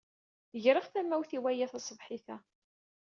Greɣ tamawt i waya taṣebḥit-a.